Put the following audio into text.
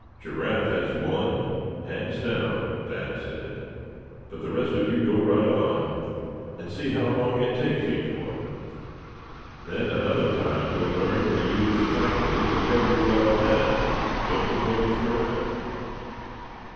"Giraffe has won, hands down," Thad said, "but the rest of you go right on, and see how long it takes each one. Then another time you will learn to use the faculties that every fellow has just as well as Giraffe."